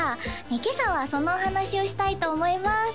今朝はそのお話をしたいと思います